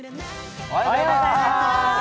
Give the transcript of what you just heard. おはようございます。